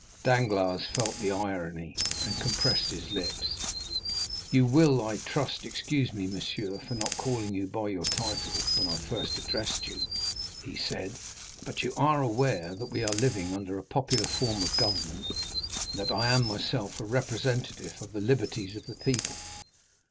Danglars felt the irony and compressed his lips. "You will, I trust, excuse me, monsieur, for not calling you by your title when I first addressed you," he said, "but you are aware that we are living under a popular form of government, and that I am myself a representative of the liberties of the people."